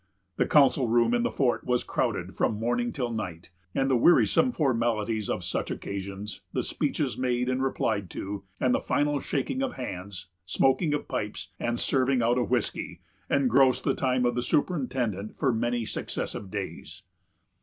The council room in the fort was crowded from morning till night; and the wearisome formalities of such occasions, the speeches made and replied to, and the final shaking of hands, smoking of pipes, and serving out of whiskey, engrossed the time of the superintendent for many successive days.